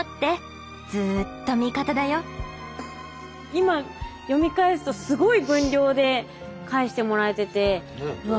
今読み返すとすごい分量で返してもらえててうわ